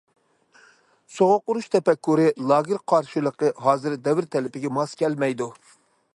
سوغۇق ئۇرۇش تەپەككۇرى، لاگېر قارشىلىقى ھازىر دەۋر تەلىپىگە ماس كەلمەيدۇ.